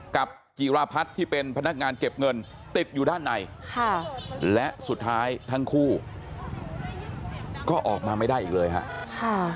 จีราพัฒน์ที่เป็นพนักงานเก็บเงินติดอยู่ด้านในและสุดท้ายทั้งคู่ก็ออกมาไม่ได้อีกเลยครับ